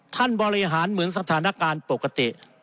ท่านบริหารเหมือนสถานการณ์ปกติ